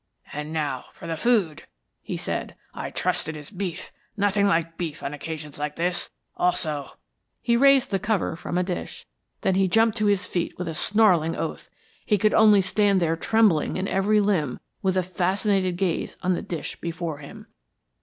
"And now for the food," he said. "I trust it is beef. Nothing like beef on occasions like this. Also " He raised the cover from a dish. Then he jumped to his feet with a snarling oath. He could only stand there trembling in every limb, with a fascinated gaze on the dish before him.